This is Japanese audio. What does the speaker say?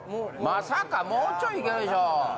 まさかもうちょいいけるでしょ。